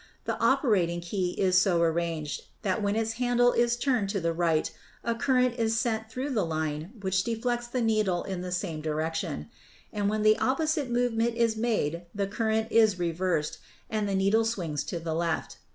The operating key is so arranged that when its handle is turned to the right a current is sent through the line which deflects the needle in the same direction; and when the opposite movement is made the current is reversed and the needle swings to the left.